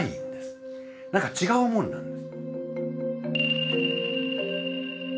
何か違うものなんです。